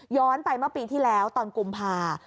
ไปเมื่อปีที่แล้วตอนกุมภา